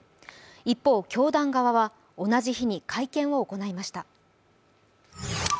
一方、教団側は同じ日に会見を行いました。